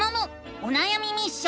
おなやみミッション！